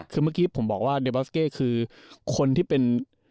คือเมื่อกี้ผมบอกว่าเดบอสเก้คือคนที่เป็น